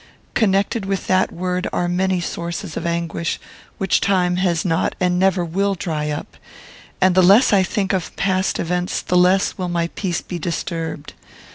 Connected with that word are many sources of anguish, which time has not, and never will, dry up; and the less I think of past events the less will my peace be disturbed.